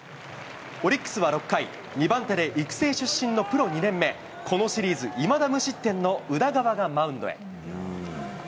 オリックスは６回、２番手で育成出身のプロ２年目、このシリーズ、いまだ無失点の宇田川がマウンドへ。